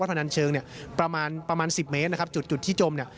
วัดพนันเชิงประมาณ๑๐เมตรจุดที่จม